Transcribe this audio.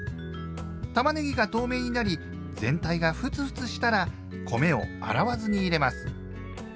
たまねぎが透明になり全体がフツフツしたら米を洗わずに入れます。